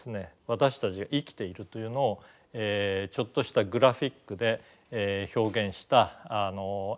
私たちが生きているというのをちょっとしたグラフィックで表現した絵がありますのでそれを見て下さい。